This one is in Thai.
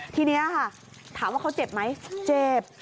ทีนี้ค่ะถามว่าเขาเจ็บไหมเจ็บ